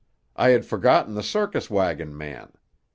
I had forgotten the circus wagon man.